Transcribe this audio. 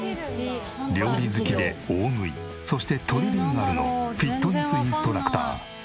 料理好きで大食いそしてトリリンガルのフィットネスインストラクター。